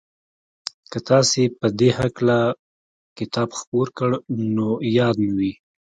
که تاسې په دې هکله کتاب خپور کړ نو ياد مو وي.